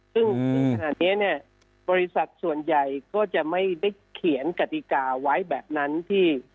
ซึ่งขนาดนี้เนี่ยบริษัทส่วนใหญ่ก็จะไม่ได้เขียนกติกาไว้แบบนั้นที่